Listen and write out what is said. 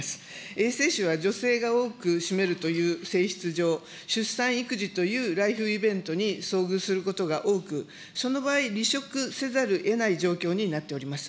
衛生士は女性が多く占めるという性質上、出産、育児というライフイベントに遭遇することが多く、その場合、離職せざるをえない状況になっております。